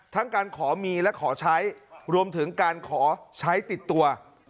ทั้งการขอมีและขอใช้รวมถึงการขอใช้ติดตัว